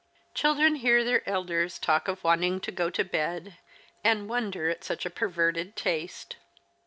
Children hear their elders talk of wanting to go to bed, and wonder at such a perverted taste.